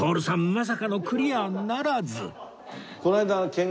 まさかのクリアならず！